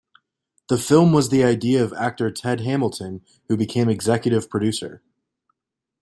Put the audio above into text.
The film was the idea of actor Ted Hamilton, who became executive producer.